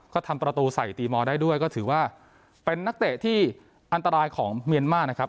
ก็ทำประตูใส่ตีมอลได้ด้วยก็ถือว่าเป็นนักเตะที่อันตรายของเมียนมาร์นะครับ